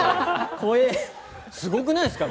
すごくないですか？